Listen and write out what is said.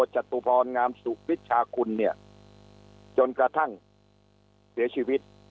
จตุพรงามสุขวิชาคุณเนี่ยจนกระทั่งเสียชีวิต